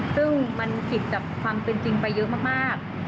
ซึ่งมันผิดกับความเป็นจริงไปเยอะมาก